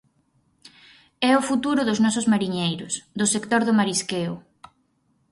É o futuro dos nosos mariñeiros, do sector do marisqueo.